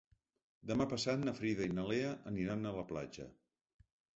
Demà passat na Frida i na Lea aniran a la platja.